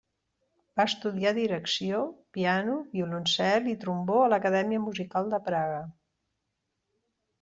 Va estudiar direcció, piano, violoncel i trombó a l'Acadèmia Musical de Praga.